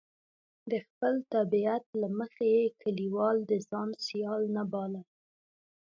د خپل طبیعت له مخې یې کلیوال د ځان سیال نه باله.